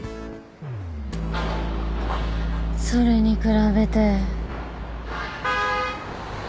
それに比べて。